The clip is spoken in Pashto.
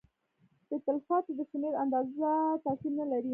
د تلفاتو د شمېر اندازه تاثیر نه لري.